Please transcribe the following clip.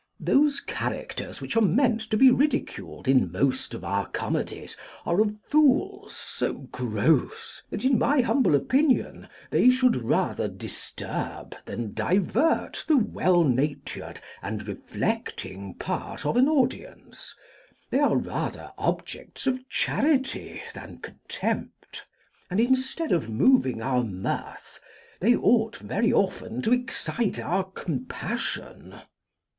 Those characters which are meant to be ridiculed in most of our comedies are of fools so gross, that in my humble opinion they should rather disturb than divert the well natured and reflecting part of an audience; they are rather objects of charity than contempt, and instead of moving our mirth, they ought very often to excite our compassion.